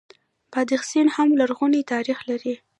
بادغیس هم لرغونی تاریخ لري